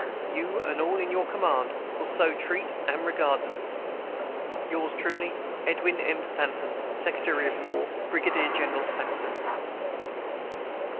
You and all in your command will so treat and regard them. Yours truly, EDWIN M. STANTON, Secretary of War. BRIGADIER GENERAL SAXTON.